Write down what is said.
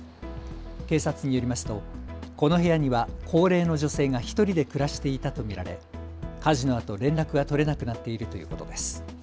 警察によりますとこの部屋には高齢の女性が１人で暮らしていたと見られ火事のあと連絡が取れなくなっているということです。